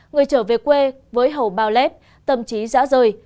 người trở về quê với hầu bao lép tầm chí giã rời